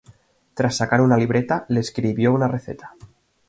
Tras sacar una libreta, le escribió una receta.